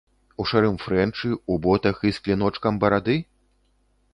У шэрым фрэнчы, у ботах і з кліночкам барады?